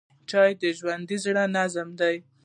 چای د ژوندي زړه نبض دی.